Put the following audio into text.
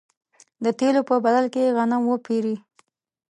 د تېلو په بدل کې غنم وپېري.